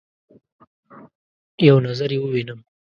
یو نظر يې ووینم